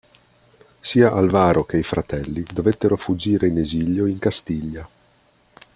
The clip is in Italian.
Sia Alvaro che i fratelli dovettero fuggire in esilio in Castiglia.